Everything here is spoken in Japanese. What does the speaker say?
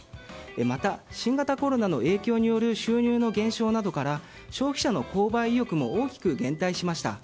また新型コロナの影響による収入の減少などから消費者の購買意欲も大きく減退しました。